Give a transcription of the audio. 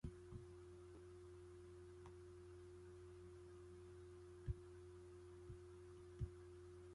為什麼我進去都沒看到人